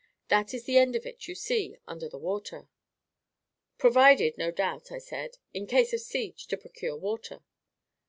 That is the end of it you see under the water." "Provided, no doubt," I said, "in case of siege, to procure water."